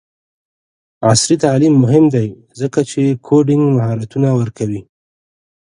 عصري تعلیم مهم دی ځکه چې کوډینګ مهارتونه ورکوي.